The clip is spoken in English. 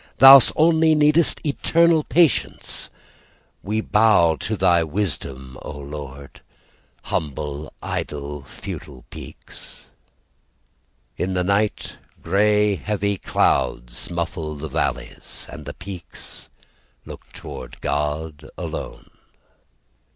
"Thous only needest eternal patience; "We bow to Thy wisdom, O Lord "Humble, idle, futile peaks." In the night Grey heavy clouds muffles the valleys, And the peaks looked toward God alone.